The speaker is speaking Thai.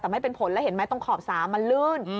แต่ไม่เป็นผลแล้วเห็นไหมตรงขอบสามันลื่น